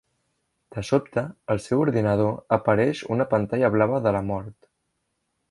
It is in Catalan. De sobte, al seu ordinador apareix una pantalla blava de la mort.